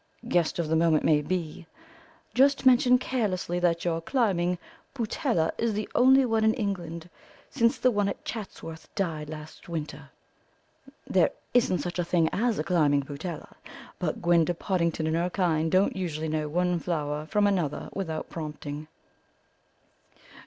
guest of the moment may be, just mention carelessly that your climbing putella is the only one in England, since the one at Chatsworth died last winter. There isn't such a thing as a climbing putella, but Gwenda Pottingdon and her kind don't usually know one flower from another without prompting."